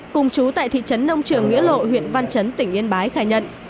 cùng chú tại thị trấn nông trường nghĩa lộ huyện văn chấn tỉnh yên bái khai nhận